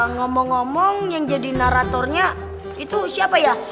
ngomong ngomong yang jadi naratornya itu siapa ya